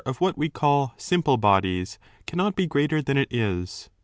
8 270" of what we call simple bodies cannot be greater than it is.